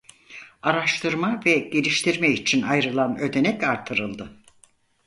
Araştırma ve geliştirme için ayrılan ödenek artırıldı.